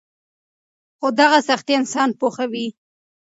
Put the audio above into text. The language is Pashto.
خو دغه سختۍ انسان پوخوي.